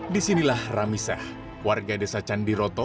di sinilah ramisah warga desa candiroto